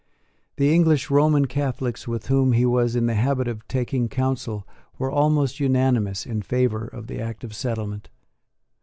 The English Roman Catholics with whom he was in the habit of taking counsel were almost unanimous in favour of the Act of Settlement.